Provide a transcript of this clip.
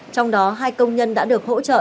trong đó hai công nhân đã được hỗ trợ